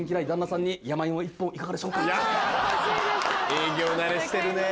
営業慣れしてるねぇ。